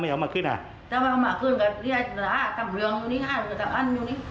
กลับเรืองอยู่นี่ค่ะกลับอันอยู่นี่